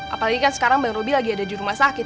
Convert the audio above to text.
apalagi kan sekarang bang robby lagi ada di rumah sakit